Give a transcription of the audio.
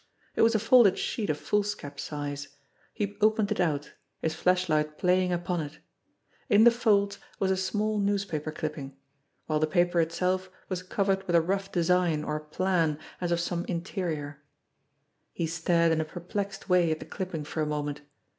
It was a folded sheet of foolscap size. He opened it out, his flashlight playing upon it. In the folds was a small newspaper clipping; while the paper itself was covered with a rough design, or plan, as of some interior. ENGLISH STEVE 175 He stared in a perplexed way at the clipping for a moment.